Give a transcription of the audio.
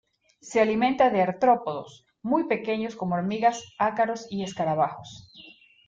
Se alimenta de artrópodos muy pequeños como hormigas, ácaros y escarabajos.